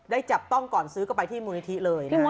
จับต้องก่อนซื้อก็ไปที่มูลนิธิเลยนะฮะ